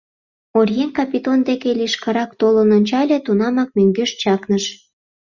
Оръеҥ Капитон деке лишкырак толын ончале — тунамак мӧҥгеш чакныш.